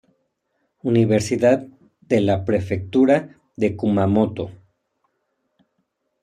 Universidad de la prefectura de Kumamoto